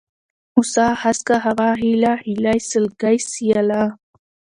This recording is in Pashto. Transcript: هوسا ، هسکه ، هوا ، هېله ، هيلۍ ، سلگۍ ، سياله